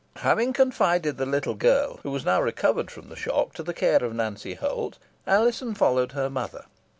Having confided the little girl, who was now recovered from the shock, to the care of Nancy Holt, Alizon followed her mother.